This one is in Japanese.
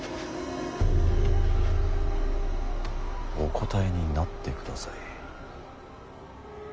お答えになってください。